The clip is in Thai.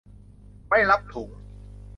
ไม่รับถุง